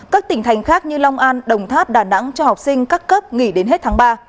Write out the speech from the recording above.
các tỉnh thành khác như long an đồng tháp đà nẵng cho học sinh các cấp nghỉ đến hết tháng ba